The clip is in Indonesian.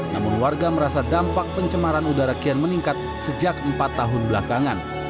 namun warga merasa dampak pencemaran udara kian meningkat sejak empat tahun belakangan